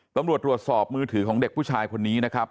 ตำรวจตรวจสอบมือถือของเด็กผู้ชายคนนี้นะครับ